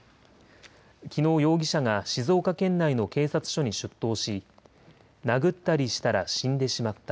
きのう、容疑者が静岡県内の警察署に出頭し、殴ったりしたら死んでしまった。